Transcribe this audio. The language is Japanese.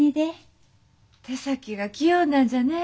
手先が器用なんじゃね。